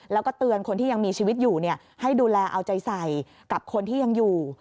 แล้วก็เตือนคนที่ยังมีชีวิตอยู่ให้ดูแลเอาใจใส่กับคนที่ยังอยู่